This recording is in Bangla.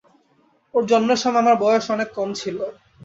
ওর জন্মের সময় আমার বয়স অনেক কম ছিল।